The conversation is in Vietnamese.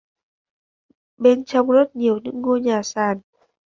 Bên trong rất nhiều những ngôi nhà sàn